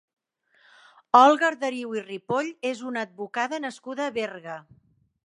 Olga Arderiu i Ripoll és una advocada nascuda a Berga.